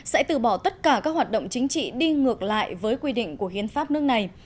sẽ từ bỏ tất cả các hoạt động chính trị đi ngược lại với quy định của hiến pháp nước này